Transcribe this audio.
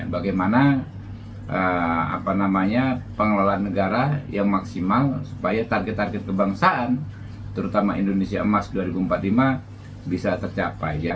bagaimana pengelolaan negara yang maksimal supaya target target kebangsaan terutama indonesia emas dua ribu empat puluh lima bisa tercapai